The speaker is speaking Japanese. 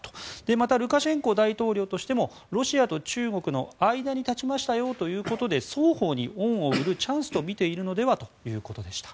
またルカシェンコ大統領としてもロシアと中国の間に立ちましたよということで双方に恩を売るチャンスとみているのではということでした。